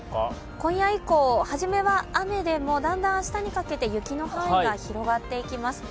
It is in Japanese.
今夜以降、はじめは雨でもだんだん明日にかけて雪の範囲が広がっていきます。